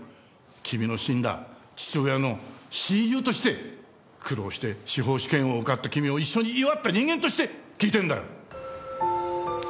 君の死んだ父親の親友として苦労して司法試験を受かった君を一緒に祝った人間として聞いてるんだよ。